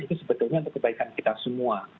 itu sebetulnya untuk kebaikan kita semua